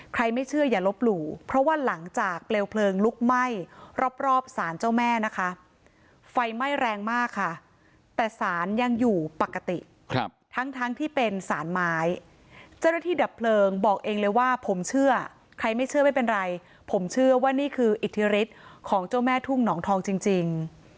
ไม่เชื่ออย่าลบหลู่เพราะว่าหลังจากเปลวเพลิงลุกไหม้รอบสารเจ้าแม่นะคะไฟไหม้แรงมากค่ะแต่สารยังอยู่ปกติทั้งทั้งที่เป็นสารไม้เจ้าหน้าที่ดับเพลิงบอกเองเลยว่าผมเชื่อใครไม่เชื่อไม่เป็นไรผมเชื่อว่านี่คืออิทธิฤทธิ์ของเจ้าแม่ทุ่งหนองทองจริง